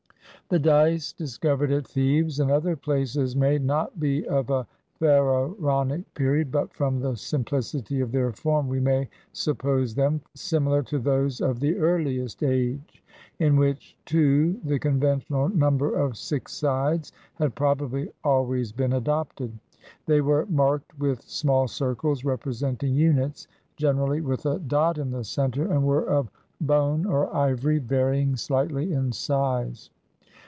The dice discovered at Thebes and other places may not be of a Pharaonic period, but, from the simpHcity of their form, we may suppose them similar to those of the earliest age, in which too the conventional number of six sides had probably always been adopted. They were marked with small circles, representing units, generally with a dot in the center; and were of bone or ivory, vary ing slightly in size.